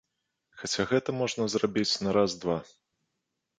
Хаця гэта можна зрабіць на раз-два.